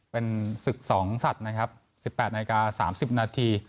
เป็นศึก๒สัตว์นะครับ๑๘นาฬิกา๓๐นาที